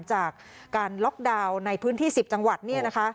จากการล็อกดาวน์ในพื้นที่๑๐จังหวัดเนี่ยนะคะ